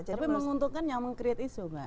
tapi menguntungkan yang meng create isu mbak